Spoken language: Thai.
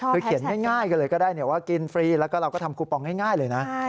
คือเขียนง่ายกันเลยก็ได้ว่ากินฟรีแล้วก็เราก็ทำคูปองง่ายเลยนะ